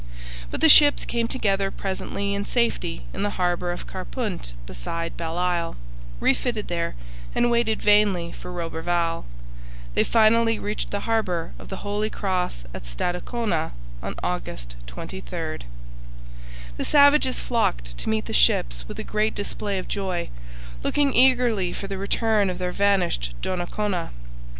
But the ships came together presently in safety in the harbour of Carpunt beside Belle Isle, refitted there, and waited vainly for Roberval. They finally reached the harbour of the Holy Cross at Stadacona on August 23. The savages flocked to meet the ships with a great display of joy, looking eagerly for the return of their vanished Donnacona.